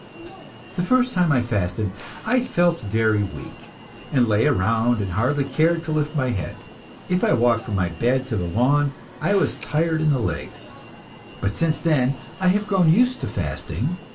The first time I fasted, I felt very weak, and lay around and hardly cared to lift my head; if I walked from my bed to the lawn, I was tired in the legs. But since then I have grown used to fasting.